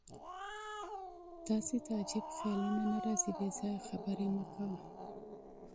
تاسې ته عجیب خیالونه نه راځي؟ بېځایه خبرې مه کوه.